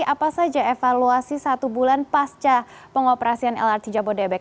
apa saja evaluasi satu bulan pasca pengoperasian lrt jabodebek